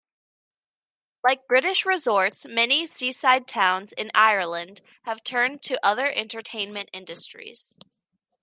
Like British resorts, many seaside towns in Ireland have turned to other entertainment industries.